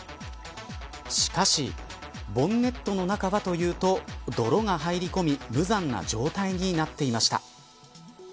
しかしボンネットの中はというと泥が入り込み無残な状態になっていました。